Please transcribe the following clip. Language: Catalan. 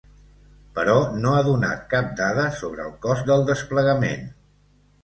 Però no ha donat cap dada sobre el cost del desplegament.